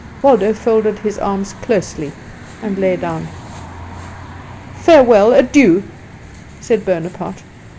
Waldo folded his arms closely, and lay down. "Farewell, adieu!" said Bonaparte.